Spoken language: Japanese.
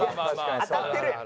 当たってるやん。